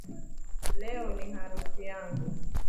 Leo ni harusi yangu